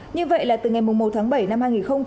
như vậy là từ ngày một tháng bảy năm hai nghìn một mươi chín